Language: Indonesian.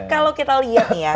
kalau kita lihat nih ya